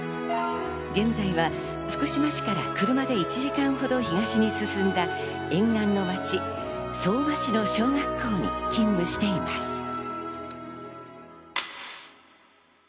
現在は福島市から車で１時間ほど東に進んだ沿岸の町、相馬市の小学校に勤務しています。